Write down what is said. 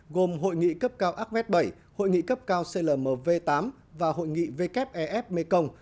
gồm hội nghị cấp cao acvet bảy hội nghị cấp cao clmv tám và hội nghị vkf ef mekong